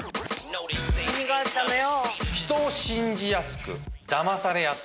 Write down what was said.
何があったのよ